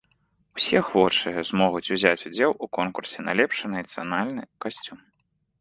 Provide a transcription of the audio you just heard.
Усе ахвочыя змогуць узяць удзел у конкурсе на лепшы нацыянальны касцюм.